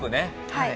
はい。